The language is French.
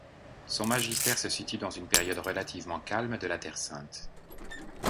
Son magistère se situe dans une période relativement calme de la Terre sainte.